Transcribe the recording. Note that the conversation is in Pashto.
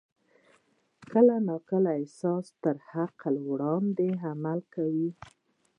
کله کله احساس تر عقل وړاندې عمل کوي.